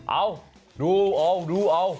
เอาดูเอา